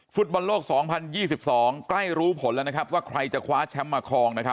ฟุตบอลโลก๒๐๒๒ใกล้รู้ผลแล้วว่าใครจะคว้าแชมป์มาคลอง